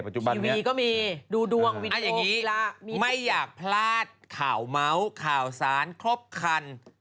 ดูดวงวิดีโอกกีฬาไม่อยากพลาดข่าวเมาส์ข่าวสารครบคัน